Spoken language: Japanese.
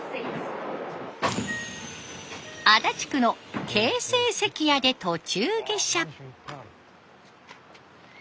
足立区の京成関屋で途中下車。